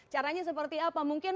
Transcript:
caranya seperti apa